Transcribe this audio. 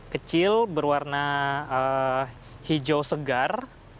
kecil berwarna hijau segar